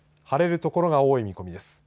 晴れる所が多い見込みです。